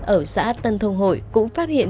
ở xã tân thông hội cũng phát hiện